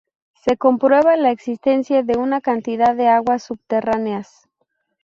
Se comprueba la existencia de una cantidad de aguas subterráneas.